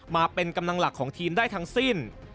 มาเป็นกำลังหลักของทีมได้ทั้งสิ้น